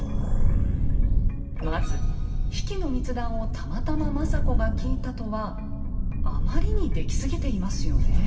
まず比企の密談をたまたま政子が聞いたとはあまりに出来すぎていますよね。